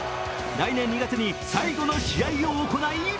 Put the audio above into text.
来年２月に最後の試合を行い